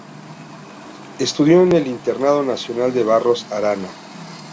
Estudió en el Internado Nacional Barros Arana.